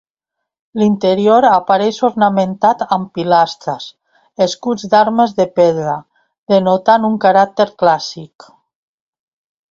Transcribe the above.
L'interior apareix ornamentat amb pilastres, escuts d'armes de pedra, denotant un caràcter clàssic.